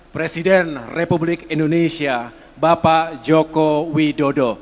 presiden republik indonesia bapak joko widodo